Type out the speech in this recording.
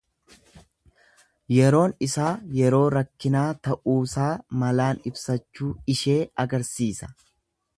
Yeroon isaa yeroo rakkinaa ta'uusaa malaan ibsachuu ishee agarsiisa.